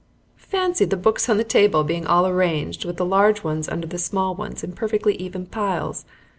Fancy the books on the table being all arranged with the large ones under the small ones in perfectly even piles!